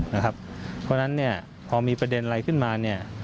เพราะฉะนั้นพอมีประเด็นอะไรขึ้นมา